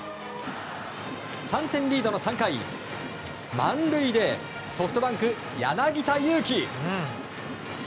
３点リードの３回満塁でソフトバンク、柳田悠岐。